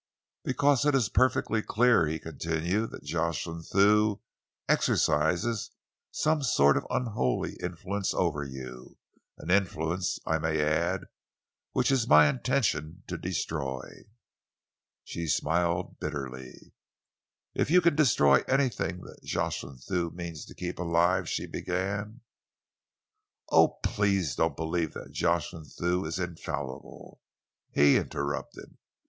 "Because it is perfectly clear," he continued, "that Jocelyn Thew exercises some sort of unholy influence over you, an influence, I may add, which it is my intention to destroy." She smiled bitterly. "If you can destroy anything that Jocelyn Thew means to keep alive," she began "Oh, please don't believe that Jocelyn Thew is infallible," he interrupted.